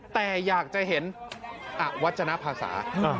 แต่อยากจะเห็นอวัชนภาษา